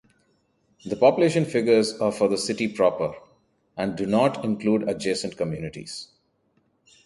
The population figures are for the city proper, and do not include adjacent communities.